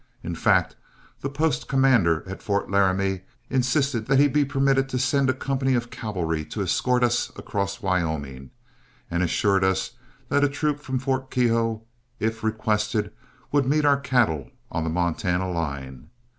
In fact, the post commander at Fort Laramie insisted that he be permitted to send a company of cavalry to escort us across Wyoming, and assured us that a troop from Fort Keogh, if requested, would meet our cattle on the Montana line.